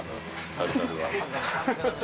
タルタルは。